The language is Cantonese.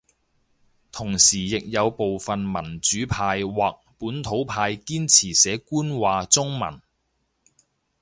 同時亦有部份民主派或本土派堅持寫官話中文